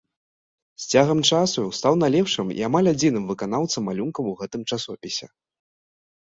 З цягам часу стаў найлепшым і амаль адзіным выканаўцам малюнкаў у гэтым часопісе.